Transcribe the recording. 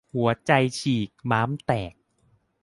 หัวใจฉีก-ม้ามแตก